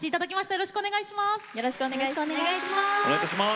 よろしくお願いします。